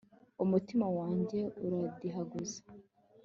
umutima wanjye uradihaguza